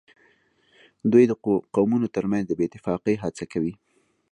دوی د قومونو ترمنځ د بې اتفاقۍ هڅه کوي